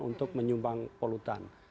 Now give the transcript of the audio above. untuk menyumbang polutan